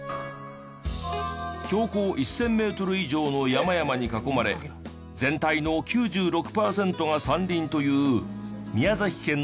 標高１０００メートル以上の山々に囲まれ全体の９６パーセントが山林という宮崎県の椎葉村。